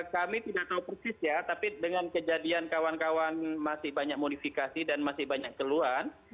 kami tidak tahu persis ya tapi dengan kejadian kawan kawan masih banyak modifikasi dan masih banyak keluhan